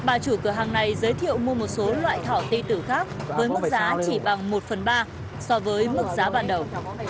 bà chủ cửa hàng này giới thiệu mua một số loại thỏ ti tử khác với mức giá chỉ bằng một phần ba so với mức giá ban đầu